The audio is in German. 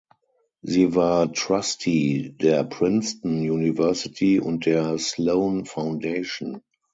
Sie war Trustee der Princeton University und der Sloan Foundation.